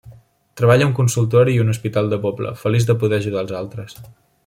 Treballa a un consultori i un hospital de poble, feliç de poder ajudar els altres.